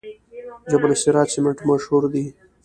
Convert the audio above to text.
جبل السراج سمنټ مشهور دي؟